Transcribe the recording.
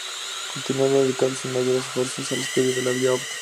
Continuó dedicando sus mayores esfuerzos al estudio de la vía óptica.